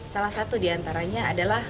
salah satu diantaranya adalah